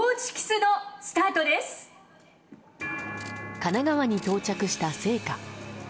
神奈川に到着した聖火。